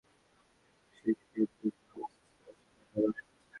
সে কি এর দেশ-মহাদেশের স্পষ্ট সন্ধান পাবে?